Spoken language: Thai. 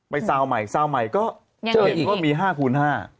ไปซาวใหม่ซาวใหม่ก็เห็นก็มี๕คูณ๕